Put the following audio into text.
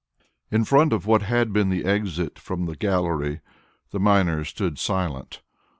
IV In front of what had been the exit from the gallery the miners stood silent.